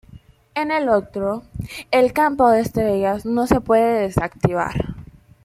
En el otro, el campo de estrellas no se puede desactivar.